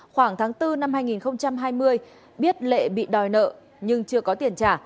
khoảng tháng bốn năm hai nghìn hai mươi biết lệ bị đòi nợ nhưng chưa có tiền trả